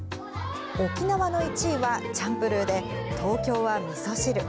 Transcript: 沖縄の１位はチャンプルーで、東京はみそ汁。